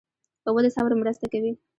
اوبه د صبر مرسته کوي.